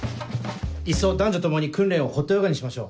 いっそ男女共に訓練をホットヨガにしましょう。